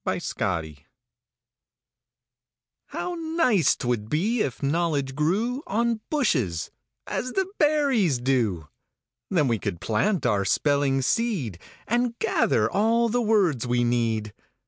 EASY KNOWLEDGE How nice 'twould be if knowledge grew On bushes, as the berries do! Then we could plant our spelling seed, And gather all the words we need.